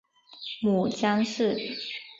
母江氏。